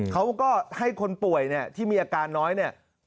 เขาก็ให้คนป่วยเนี่ยที่มีอาการน้อยเนี่ย